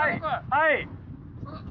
はい。